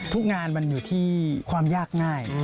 งานมันอยู่ที่ความยากง่าย